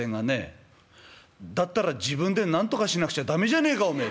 「だったら自分でなんとかしなくちゃ駄目じゃねえかお前！」